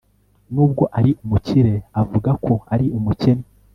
nubwo ari umukire, avuga ko ari umukene